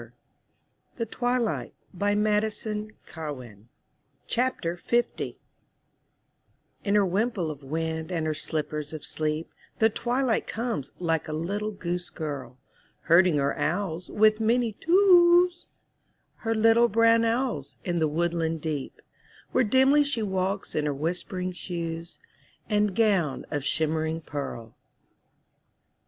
'* THE TWILIGHT^ Madison Cawein In her wimple of wind and her slippers of sleep» The twilight comes like a little goose girl, Herding her owls with many *Tu whoos," Her little brown owls in the woodland deep, Where dimly she walks in her whispering shoes. And gown of shimmering pearl.